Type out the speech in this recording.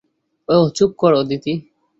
ওহ চুপ কর, আদিতি।